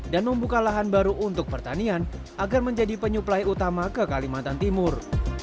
dan membuka lahan baru untuk pertanian agar menjadi penyuplai utama ke kalimantan timur